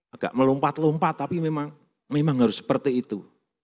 agak melompat lompat tapi memang harus seperti itu